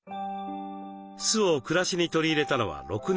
酢を暮らしに取り入れたのは６年前。